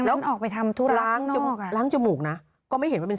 แล้วมันออกไปทำธุระล้างจมูกนะก็ไม่เห็นว่าเป็น